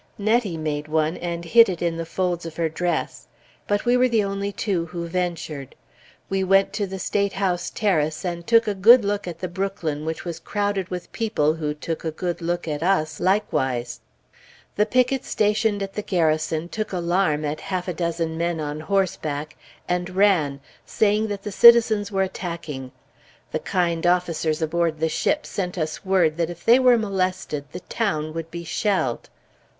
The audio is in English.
Nettie made one and hid it in the folds of her dress. But we were the only two who ventured. We went to the State House terrace, and took a good look at the Brooklyn which was crowded with people who took a good look at us, likewise. The picket stationed at the Garrison took alarm at half a dozen men on horseback and ran, saying that the citizens were attacking. The kind officers aboard the ship sent us word that if they were molested, the town would be shelled.